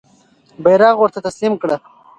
بیرغ ورته تسلیم کړه.